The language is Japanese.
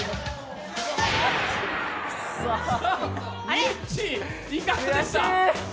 ミッチー、いかがでした？